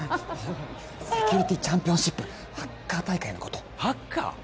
セキュリティチャンピオンシップハッカー大会のことハッカー？